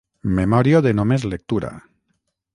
Memòria de només lectura.